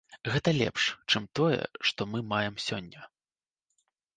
Гэта лепш, чым тое, што мы маем сёння.